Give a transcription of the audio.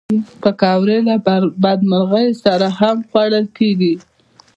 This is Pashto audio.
پکورې له بدمرغیو سره هم خوړل کېږي